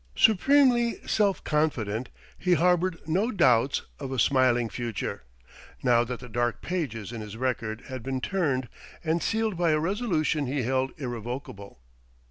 Supremely self confident, he harboured no doubts of a smiling future now that the dark pages in his record had been turned and sealed by a resolution he held irrevocable.